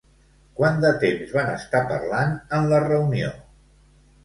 Quant de temps van estar parlant en la reunió?